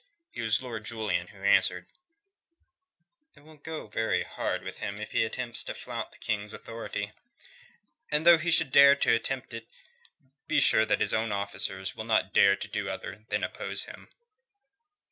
It was Lord Julian who answered: "It will go very hard with him if he attempts to flout the King's authority. And though he should dare attempt it, be sure that his own officers will not dare to do other than oppose him."